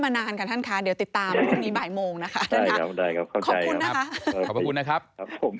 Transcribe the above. รุ้นกันมานานครับท่านค้าเดี๋ยวติดตามหรือ